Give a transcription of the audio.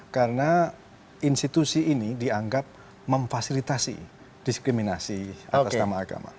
karena institusi ini dianggap memfasilitasi diskriminasi atas nama agama